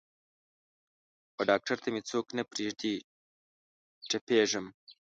وډاکتر ته مې څوک نه پریږدي تپیږم